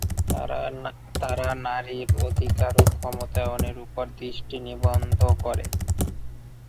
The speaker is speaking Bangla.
তারা নারীর অধিকার ও ক্ষমতায়নের উপর দৃষ্টি নিবদ্ধ করে।